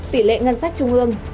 tỷ lệ ngân sách trung ương